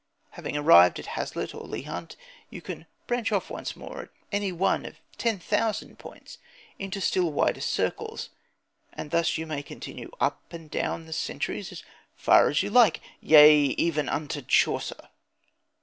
Having arrived at Hazlitt or Leigh Hunt, you can branch off once more at any one of ten thousand points into still wider circles. And thus you may continue up and down the centuries as far as you like, yea, even to Chaucer.